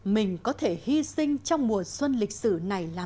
mình có thể hy sinh trong mùa xuân lịch sử này là